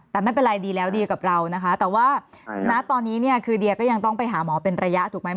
แต่ไม่เป็นไรดีแล้วดีกับเรานะคะแต่ว่าณตอนนี้เนี่ยคือเดียก็ยังต้องไปหาหมอเป็นระยะถูกไหม